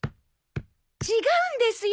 違うんですよ！